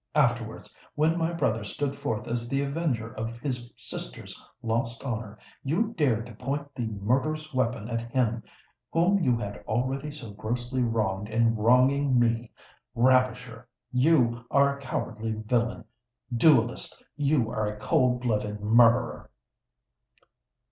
Afterwards, when my brother stood forth as the avenger of his sister's lost honour, you dared to point the murderous weapon at him whom you had already so grossly wronged in wronging me. Ravisher, you are a cowardly villain!—duellist, you are a cold blooded murderer!"